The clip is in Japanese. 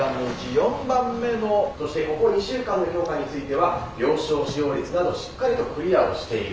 そしてここ２週間の評価については病床使用率などしっかりとクリアをしている。